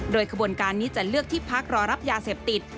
โดยขบวนการนี้จะเลือกที่พักรอรับยาเสพติด